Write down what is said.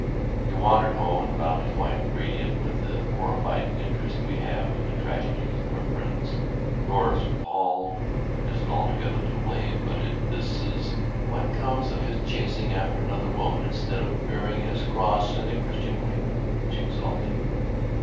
He wandered home and found his wife radiant with the horrified interest we have in the tragedies of our friends. "Of course Paul isn't altogether to blame, but this is what comes of his chasing after other women instead of bearing his cross in a Christian way," she exulted.